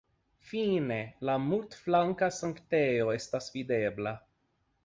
Fine la multflanka sanktejo estas videbla.